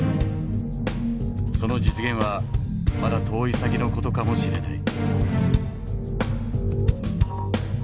その実現はまだ遠い先の事かもしれない。